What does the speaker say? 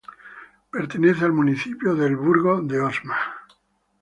Pertenece al municipio de El Burgo de Osma.